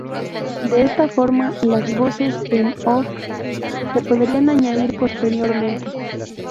De esta forma, las voces "en off" se podrían añadir posteriormente.